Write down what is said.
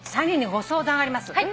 ３人にご相談があります」